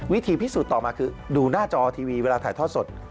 วิธีพิสูจน์ต่อมาคือดูหน้าจอทีวีเวลาถ่ายทอดสด